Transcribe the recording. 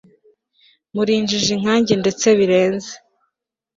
Muri injiji nkanjye ndetse birenze